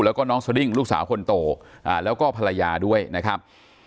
แล้วก็น้องสดิ้งลูกสาวคนโตแล้วก็ภรรยาด้วยนะครับ